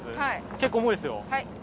結構重いですよ。